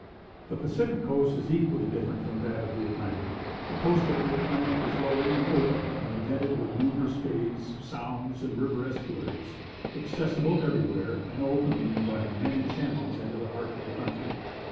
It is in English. "The Pacific coast is equally different from that of the Atlantic. The coast of the Atlantic is low and open, indented with numerous bays, sounds, and river estuaries, accessible everywhere, and opening by many channels into the heart of the country.